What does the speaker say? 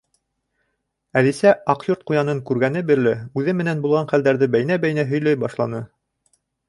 Әлисә Аҡ Йорт ҡуянын күргәне бирле үҙе менән булған хәлдәрҙе бәйнә-бәйнә һөйләй башланы.